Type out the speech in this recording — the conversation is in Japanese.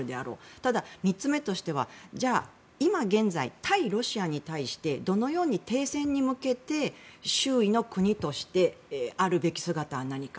ただ、３つ目としてはじゃあ今現在対ロシアに対してどのように停戦に向けて周囲の国としてあるべき姿は何か。